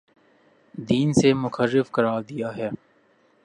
دین سے منحرف قرار دیا ہے